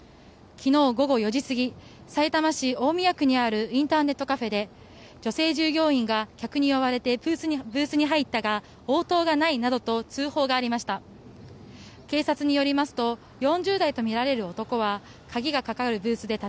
昨日午後４時過ぎさいたま市大宮区にあるインターネットカフェで女性従業員が客に呼ばれてブースに入ったが応答がないなどと通報がありました。